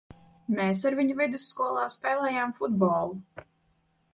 Mēs ar viņu vidusskolā spēlējām futbolu.